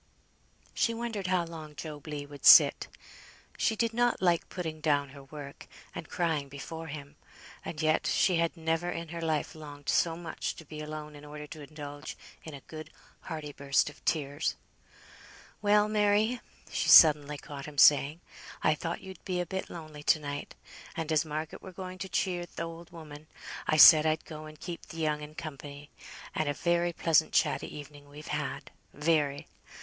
She wondered how long Job Legh would sit. She did not like putting down her work, and crying before him, and yet she had never in her life longed so much to be alone in order to indulge in a good hearty burst of tears. "Well, Mary," she suddenly caught him saying, "I thought you'd be a bit lonely to night; and as Margaret were going to cheer th' old woman, I said I'd go and keep th' young un company; and a very pleasant, chatty evening we've had; very.